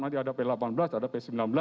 nanti ada p delapan belas ada p sembilan belas